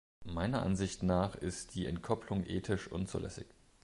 Meiner Ansicht nach ist die Entkopplung ethisch unzulässig.